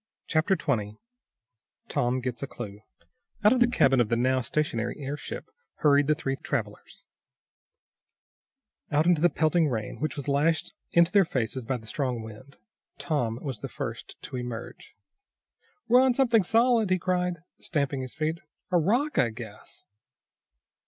Chapter 20 Tom Gets A Clue Out of the cabin of the now stationary airship hurried the three travelers; out into the pelting rain, which was lashed into their faces by the strong wind. Tom was the first to emerge. "We're on something solid!" he cried, stamping his feet. "A rock, I guess."